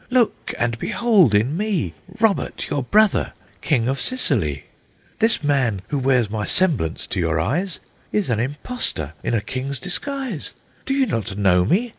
Look, and behold in me Robert, your brother, King of Sicily! This man, who wears my semblance to your eyes, Is an impostor in a king's disguise. Do you not know me?